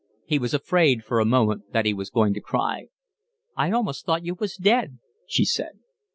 He was afraid for a moment that he was going to cry. "I almost thought you was dead," she said.